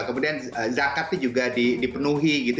kemudian zakatnya juga dipenuhi gitu